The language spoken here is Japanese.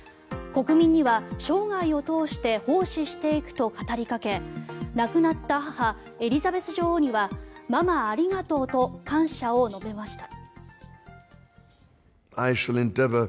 国民には、生涯を通して奉仕していくと語りかけ亡くなった母エリザベス女王にはママありがとうと感謝を述べました。